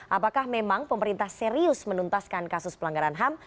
apakah memang pemerintah serius menuntaskan kasus pelanggaran ham